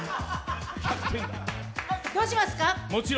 どうしますか？